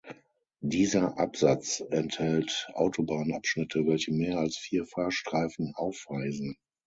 Dieser Absatz enthält Autobahnabschnitte welche mehr als vier Fahrstreifen aufweisen.